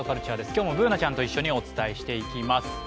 今日もＢｏｏｎａちゃんと一緒にお伝えしていきます。